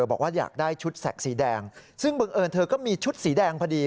บอกว่าอยากได้ชุดแสกสีแดงซึ่งบังเอิญเธอก็มีชุดสีแดงพอดี